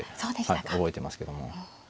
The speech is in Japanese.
はい覚えてますけども。